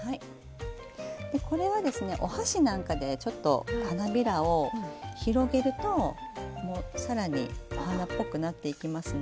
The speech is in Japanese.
でこれはですねお箸なんかでちょっと花びらを広げると更にお花っぽくなっていきますので。